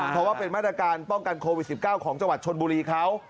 เพราะว่าเป็นมาตรการป้องกันโควิด๑๙ของจังหวัดชนบุรีเขา